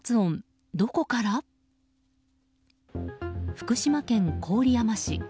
福島県郡山市。